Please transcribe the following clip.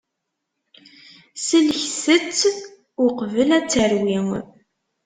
Sellket-tt uqbel ad terwi.